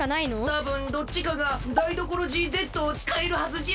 たぶんどっちかがダイドコロジーＺをつかえるはずじゃ。